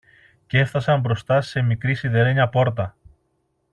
κι έφθασαν μπροστά σε μικρή σιδερένια πόρτα.